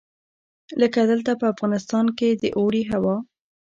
لکه دلته په افغانستان کې د اوړي هوا.